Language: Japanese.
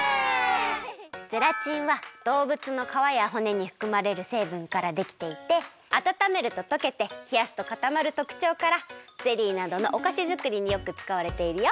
ゼラチンは動物の皮や骨にふくまれるせいぶんからできていてあたためるととけてひやすとかたまるとくちょうからゼリーなどのおかしづくりによくつかわれているよ。